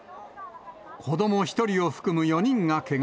子ども１人を含む４人がけが。